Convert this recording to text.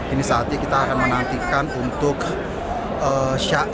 ini saatnya kita akan menantikan untuk syai